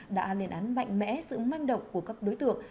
đã lên án mạnh mẽ sự manh động của các đối tượng